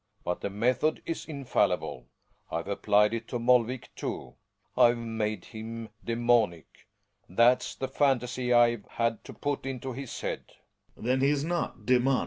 But the method is infallible. I've applied it to Molvik, too. I've made him " d.^tppp !<;>.'' That's the phantasy I've had to put into his head^ Gbeoebs. Then he's not daemonic